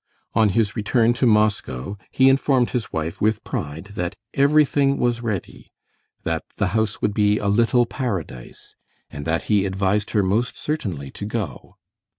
On his return to Moscow he informed his wife with pride that everything was ready, that the house would be a little paradise, and that he advised her most certainly to go.